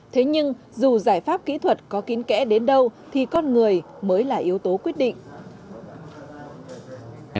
thế nhưng dù giải pháp kỹ thuật có kiến kẽ đến đâu thì con người mới là yếu tố quyết định